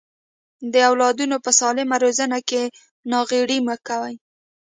د اولادونو په سالمه روزنه کې ناغيړي مکوئ.